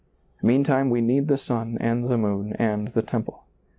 Meantime we need the sun and the moon and the temple.